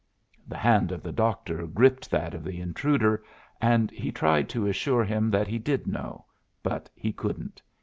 The hand of the doctor gripped that of the intruder, and he tried to assure him that he did know, but he couldn't.